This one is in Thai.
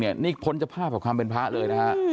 นี่พ้นจะภาพความเป็นภาคเลยนะคะ